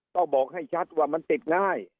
ต้องบอกให้ชัดว่ามันติดง่าย